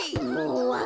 うわ。